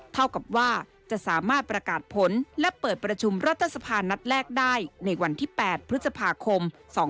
เท่ากับว่าจะสามารถประกาศผลและเปิดประชุมรัฐสภานัดแรกได้ในวันที่๘พฤษภาคม๒๕๖๒